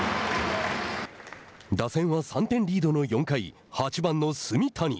打線は３点リードの４回８番の炭谷。